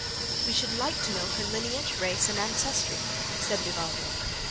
"We should like to know her lineage, race, and ancestry," said Vivaldo.